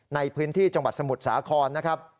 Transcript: ในพื้นที่จังหวัดสมุทรสาครนะครับ